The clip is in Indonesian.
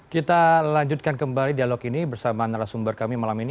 kita lanjutkan kembali dialog ini bersama narasumber kami malam ini